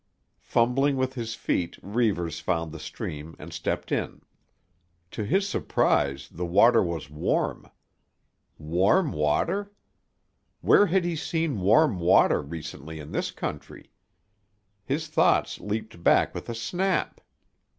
Fumbling with his feet Reivers found the stream and stepped in. To his surprise the water was warm. Warm water? Where had he seen warm water recently in this country? His thoughts leaped back with a snap.